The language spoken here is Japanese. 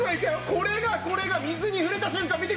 これがこれが水に触れた瞬間見てください。